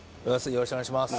よろしくお願いします。